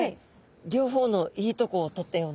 両方のいいとこを取ったような。